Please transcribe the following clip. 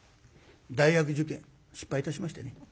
大学受験失敗いたしましてね。